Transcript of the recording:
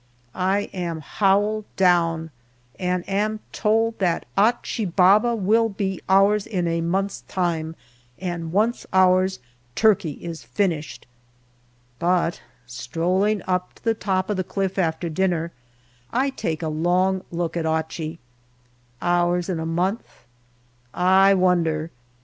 I am " howled down/' and am told that Achi Baba will be ours in a month's time, and once ours, Turkey is finished. But strolling up to the top of the cliff after dinner, I take a long look at Achi. Ours in a month ? I wonder.